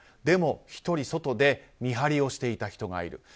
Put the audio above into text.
でも、１人、外で見張りをしていた人がいる。